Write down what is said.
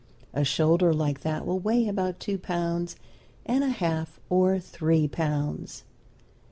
A shoulder like that will weigh about two pounds and a half or three pounds.